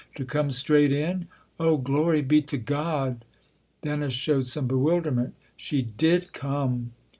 "To come straight in ? Oh, glory be to God 1 " Dennis showed some bewilderment. "She did come